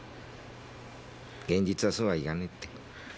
現実はそうはいかないって。